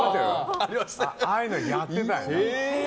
ああいうのやってたよ。